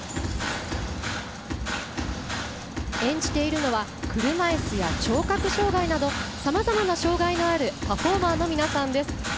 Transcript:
演じているのは車いすや聴覚障がいなどさまざまな障がいのあるパフォーマーの皆さんです。